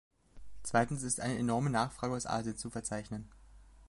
Zweitens ist eine enorme Nachfrage aus Asien zu verzeichnen.